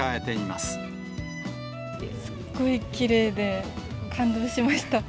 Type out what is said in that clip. すごいきれいで、感動しまし